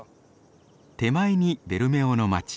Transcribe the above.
手前にベルメオの街。